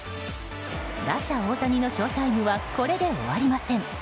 打者・大谷のショータイムはこれで終わりません。